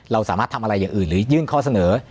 เราสามารถทำอะไรอย่างอื่นหรือยื่นข้อเสนอ